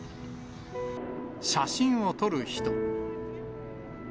写真を撮る人。